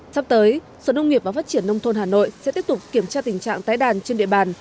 sắp tới sở nông nghiệp và phát triển nông thôn hà nội sẽ tiếp tục kiểm tra tình trạng tái đàn trên địa bàn